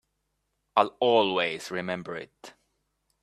I'll always remember it.